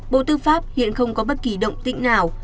bộ tư pháp hiện không có bất kỳ động tĩnh nào